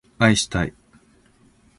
愛したい